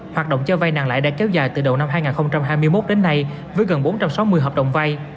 hoạt động cho vay nặng lãi đã kéo dài từ đầu năm hai nghìn hai mươi một đến nay với gần bốn trăm sáu mươi hợp đồng vay